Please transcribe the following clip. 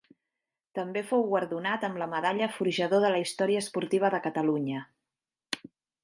També fou guardonat amb la medalla Forjador de la Història Esportiva de Catalunya.